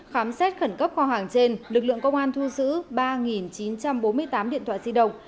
khám xét khẩn cấp kho hàng trên lực lượng công an thu giữ ba chín trăm bốn mươi tám điện thoại di động